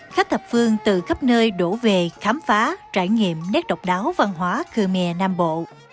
khách thập phương từ khắp nơi đổ về khám phá trải nghiệm nét độc đáo văn hóa khmer nam bộ